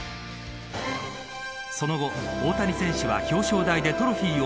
その後、大谷選手は表彰台へトロフィーも。